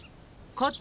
こっち！